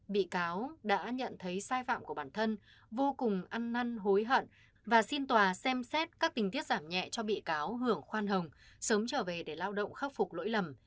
bị cáo đã nhận thấy sai phạm của bản thân vô cùng ăn năn hối hận và xin tòa xem xét các tình tiết giảm nhẹ cho bị cáo hưởng khoan hồng sớm trở về để lao động khắc phục lỗi lầm